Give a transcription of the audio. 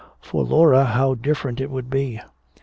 For Laura how different it would be.